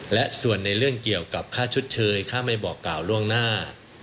และส่วนในเรื่องเกี่ยวกับค่าชดเชยค่าไม่บอกกล่าวล่วงหน้า